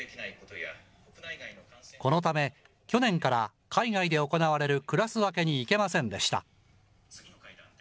このため、去年から海外で行われるクラス分けに行けませんでした。